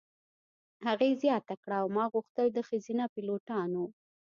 هغې زیاته کړه: "او ما غوښتل د ښځینه پیلوټانو.